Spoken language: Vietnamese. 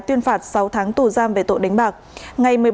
tuyên phạt sáu tháng tù giam về tội đánh bạc